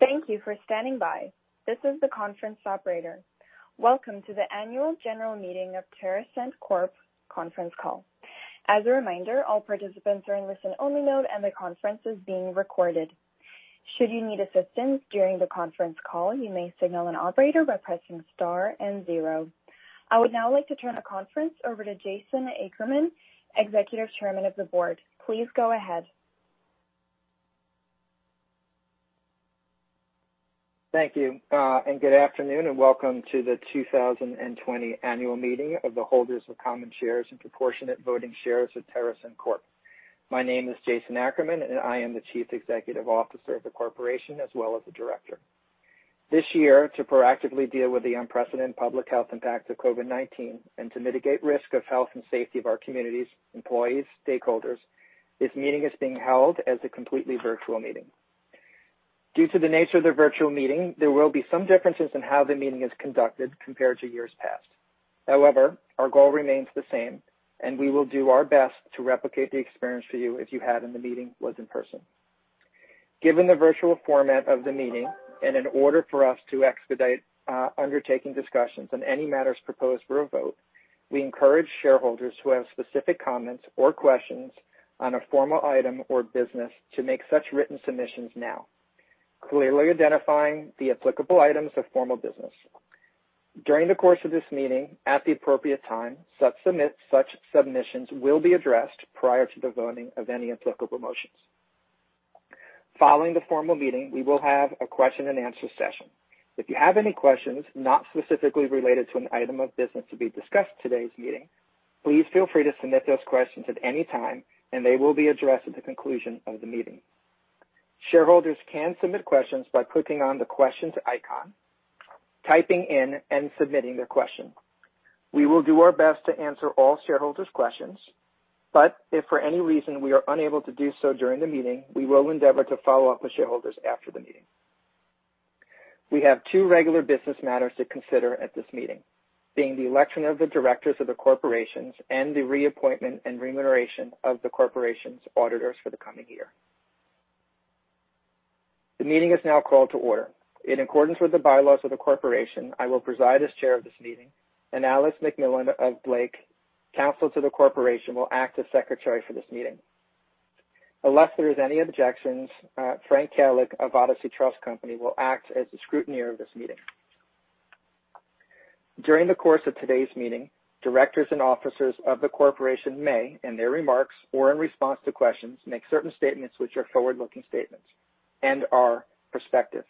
Thank you for standing by. This is the conference operator. Welcome to the annual general meeting of TerrAscend Corp. conference call. As a reminder, all participants are in listen-only mode, and the conference is being recorded. Should you need assistance during the conference call, you may signal an operator by pressing star and zero. I would now like to turn the conference over to Jason Ackerman, Executive Chairman of the Board. Please go ahead. Thank you. Good afternoon, and welcome to the 2020 annual meeting of the holders of common shares and proportionate voting shares of TerrAscend Corp. My name is Jason Ackerman, and I am the Chief Executive Officer of the corporation as well as a director. This year, to proactively deal with the unprecedented public health impacts of COVID-19 and to mitigate risk of health and safety of our communities, employees, stakeholders, this meeting is being held as a completely virtual meeting. Due to the nature of the virtual meeting, there will be some differences in how the meeting is conducted compared to years past. However, our goal remains the same, and we will do our best to replicate the experience for you if the meeting was in person. Given the virtual format of the meeting, and in order for us to expedite undertaking discussions on any matters proposed for a vote, we encourage shareholders who have specific comments or questions on a formal item or business to make such written submissions now, clearly identifying the applicable items of formal business. During the course of this meeting, at the appropriate time, such submissions will be addressed prior to the voting of any applicable motions. Following the formal meeting, we will have a question and answer session. If you have any questions not specifically related to an item of business to be discussed in today's meeting, please feel free to submit those questions at any time, and they will be addressed at the conclusion of the meeting. Shareholders can submit questions by clicking on the questions icon, typing in, and submitting their question. We will do our best to answer all shareholders' questions, but if for any reason we are unable to do so during the meeting, we will endeavor to follow up with shareholders after the meeting. We have two regular business matters to consider at this meeting, being the election of the directors of the corporation and the reappointment and remuneration of the corporation's auditors for the coming year. The meeting is now called to order. In accordance with the bylaws of the corporation, I will preside as chair of this meeting, and Alice MacMillan of Blake, counsel to the corporation, will act as secretary for this meeting. Unless there is any objections, Frank Kalik of Odyssey Trust Company will act as the scrutineer of this meeting. During the course of today's meeting, directors and officers of the corporation may, in their remarks or in response to questions, make certain statements which are forward-looking statements and are prospective.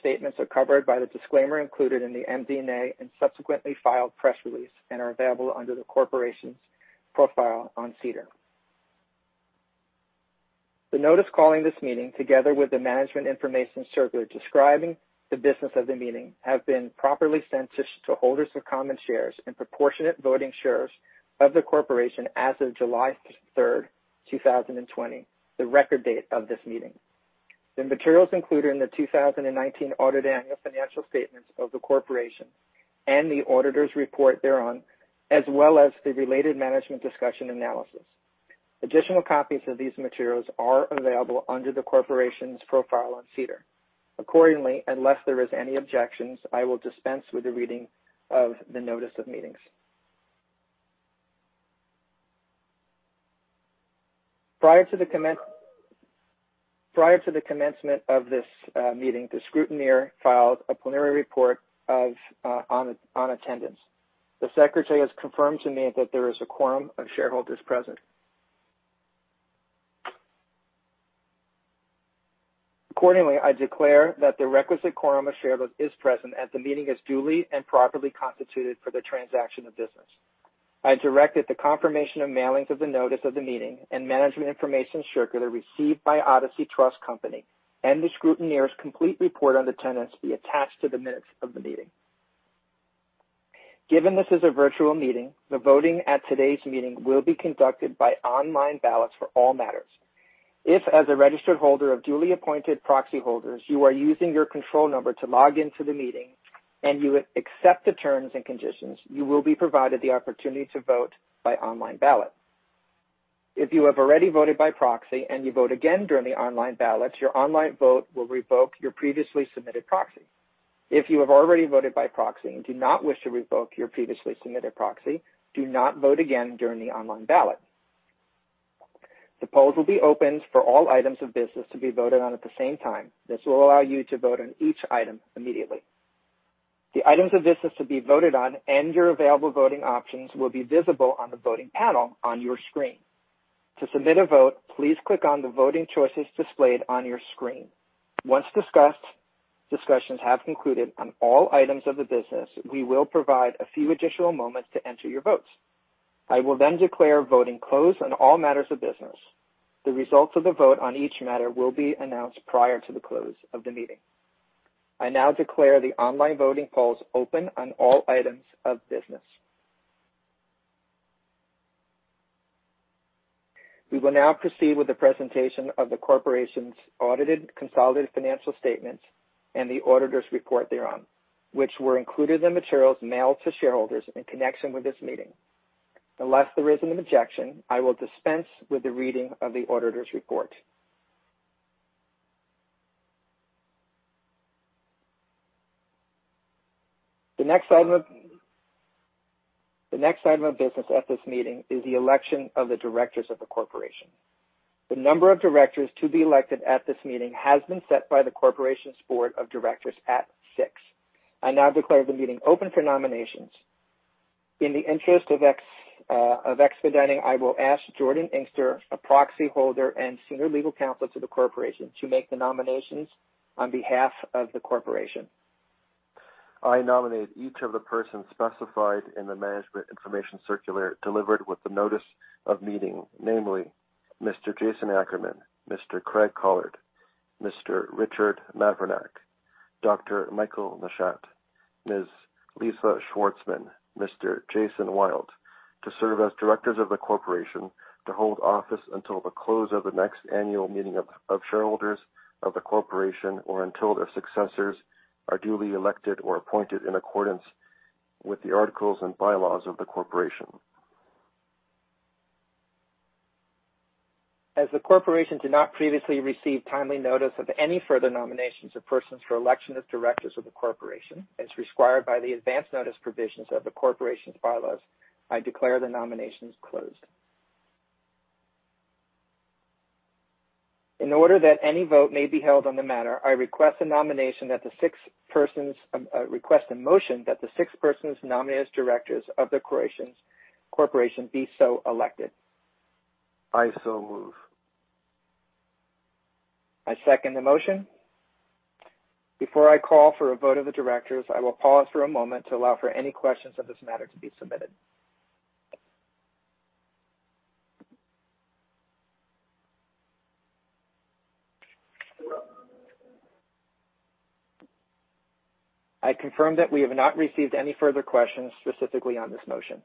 Statements are covered by the disclaimer included in the MD&A and subsequently filed press release and are available under the corporation's profile on SEDAR. The notice calling this meeting, together with the management information circular describing the business of the meeting, have been properly sent to holders of common shares and proportionate voting shares of the corporation as of July 3rd, 2020, the record date of this meeting. The materials included in the 2019 audited annual financial statements of the corporation and the auditor's report thereon, as well as the related Management Discussion Analysis. Additional copies of these materials are available under the corporation's profile on SEDAR. Unless there is any objections, I will dispense with the reading of the notice of meetings. Prior to the commencement of this meeting, the scrutineer filed a preliminary report on attendance. The secretary has confirmed to me that there is a quorum of shareholders present. I declare that the requisite quorum of shareholders is present, and the meeting is duly and properly constituted for the transaction of business. I direct that the confirmation of mailings of the notice of the meeting and management information circular received by Odyssey Trust Company and the scrutineer's complete report on attendance be attached to the minutes of the meeting. Given this is a virtual meeting, the voting at today's meeting will be conducted by online ballots for all matters. If, as a registered holder of duly appointed proxy holders, you are using your control number to log into the meeting and you accept the terms and conditions, you will be provided the opportunity to vote by online ballot. If you have already voted by proxy and you vote again during the online ballot, your online vote will revoke your previously submitted proxy. If you have already voted by proxy and do not wish to revoke your previously submitted proxy, do not vote again during the online ballot. The polls will be opened for all items of business to be voted on at the same time. This will allow you to vote on each item immediately. The items of business to be voted on and your available voting options will be visible on the voting panel on your screen. To submit a vote, please click on the voting choices displayed on your screen. Once discussions have concluded on all items of the business, we will provide a few additional moments to enter your votes. I will then declare voting closed on all matters of business. The results of the vote on each matter will be announced prior to the close of the meeting. I now declare the online voting polls open on all items of business. We will now proceed with the presentation of the corporation's audited consolidated financial statements and the auditor's report thereon, which were included in the materials mailed to shareholders in connection with this meeting. Unless there is an objection, I will dispense with the reading of the auditor's report. The next item of business at this meeting is the election of the directors of the corporation. The number of directors to be elected at this meeting has been set by the corporation's board of directors at six. I now declare the meeting open for nominations. In the interest of expediting, I will ask Jordan Inkster, a proxyholder and senior legal counsel to the corporation, to make the nominations on behalf of the corporation. I nominate each of the persons specified in the management information circular delivered with the notice of meeting, namely Mr. Jason Ackerman, Mr. Craig Collard, Mr. Richard Mavrinac, Dr. Michael Nashat, Ms. Lisa Swartzman, Mr. Jason Wild, to serve as directors of the corporation, to hold office until the close of the next annual meeting of shareholders of the corporation, or until their successors are duly elected or appointed in accordance with the articles and bylaws of the corporation. As the corporation did not previously receive timely notice of any further nominations of persons for election as directors of the corporation, as required by the advance notice provisions of the corporation's bylaws, I declare the nominations closed. In order that any vote may be held on the matter, I request a motion that the six persons nominated as directors of the corporation be so elected. I so move. I second the motion. Before I call for a vote of the directors, I will pause for a moment to allow for any questions on this matter to be submitted. I confirm that we have not received any further questions specifically on this motion.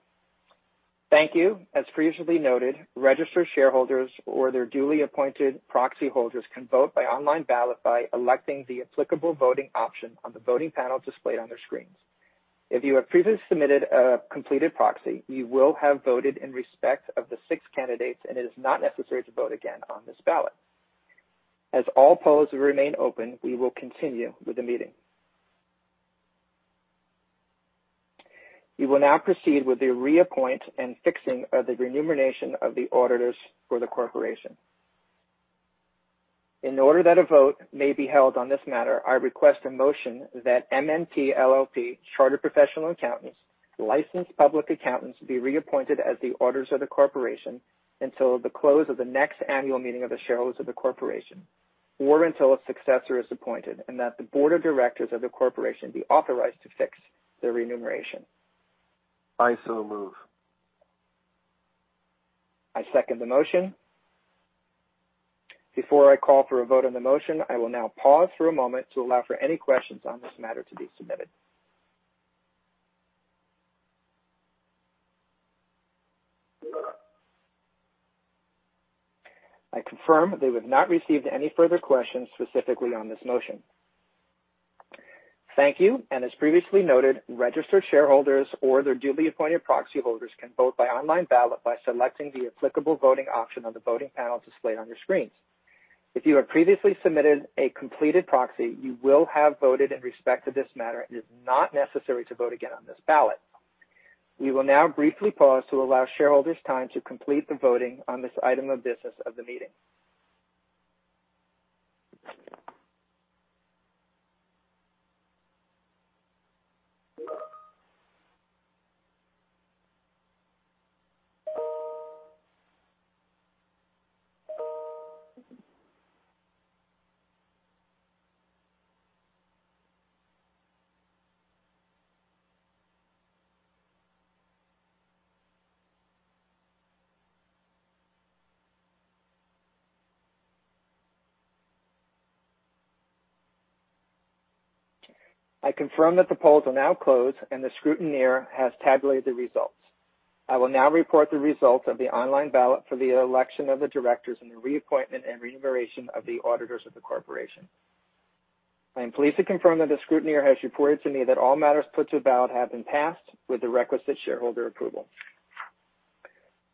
Thank you. As previously noted, registered shareholders or their duly appointed proxyholders can vote by online ballot by electing the applicable voting option on the voting panel displayed on their screens. If you have previously submitted a completed proxy, you will have voted in respect of the six candidates, and it is not necessary to vote again on this ballot. As all polls remain open, we will continue with the meeting. We will now proceed with the reappoint and fixing of the remuneration of the auditors for the corporation. In order that a vote may be held on this matter, I request a motion that MNP LLP, Chartered Professional Accountants, licensed public accountants, be reappointed as the auditors of the corporation until the close of the next annual meeting of the shareholders of the corporation, or until a successor is appointed, and that the board of directors of the corporation be authorized to fix their remuneration. I so move. I second the motion. Before I call for a vote on the motion, I will now pause for a moment to allow for any questions on this matter to be submitted. I confirm that we have not received any further questions specifically on this motion. Thank you. As previously noted, registered shareholders or their duly appointed proxyholders can vote by online ballot by selecting the applicable voting option on the voting panel displayed on your screens. If you have previously submitted a completed proxy, you will have voted in respect of this matter. It is not necessary to vote again on this ballot. We will now briefly pause to allow shareholders time to complete the voting on this item of business of the meeting. I confirm that the polls are now closed, and the scrutineer has tabulated the results. I will now report the results of the online ballot for the election of the directors and the reappointment and remuneration of the auditors of the corporation. I am pleased to confirm that the scrutineer has reported to me that all matters put to ballot have been passed with the requisite shareholder approval.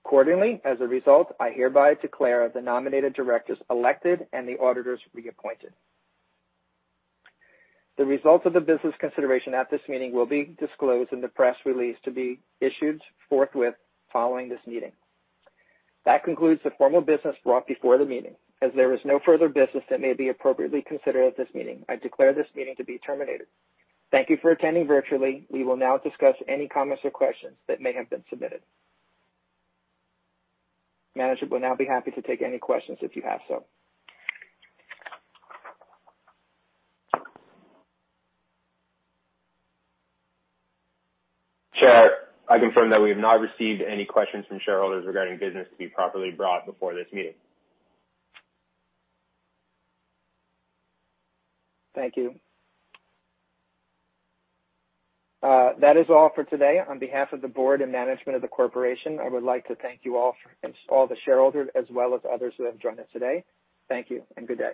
Accordingly, as a result, I hereby declare the nominated directors elected and the auditors reappointed. The results of the business consideration at this meeting will be disclosed in the press release to be issued forthwith following this meeting. That concludes the formal business brought before the meeting. As there is no further business that may be appropriately considered at this meeting, I declare this meeting to be terminated. Thank you for attending virtually. We will now discuss any comments or questions that may have been submitted. Management will now be happy to take any questions if you have so. Chairman, I confirm that we have not received any questions from shareholders regarding business to be properly brought before this meeting. Thank you. That is all for today. On behalf of the board and management of the corporation, I would like to thank you all the shareholders, as well as others who have joined us today. Thank you and good day.